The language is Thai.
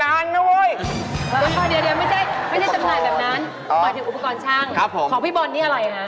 มาถึงอุปกรณ์ช่างของพี่บอลนี่อะไรนะ